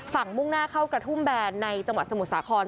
มุ่งหน้าเข้ากระทุ่มแบนในจังหวัดสมุทรสาคร